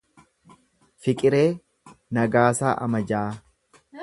Fiqiree Nagaasaa Amajaa